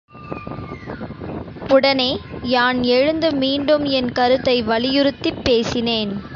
உடனே யான் எழுந்து மீண்டும் என் கருத்தை வலியுறுத்திப் பேசினேன்.